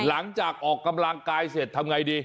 หลังจากออกกำลังกายเสร็จทำไงดี